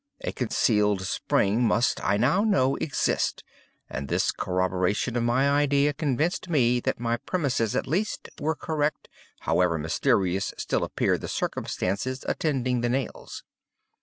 A concealed spring must, I now know, exist; and this corroboration of my idea convinced me that my premises at least, were correct, however mysterious still appeared the circumstances attending the nails.